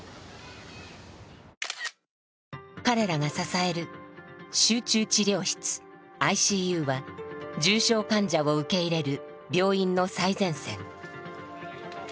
彼らが支える「集中治療室ＩＣＵ」は重症患者を受け入れる病院の最前線。